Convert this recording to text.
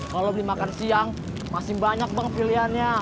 kalau beli makan siang masih banyak bang pilihannya